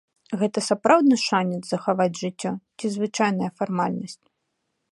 Гэта сапраўдны шанец захаваць жыццё ці звычайная фармальнасць?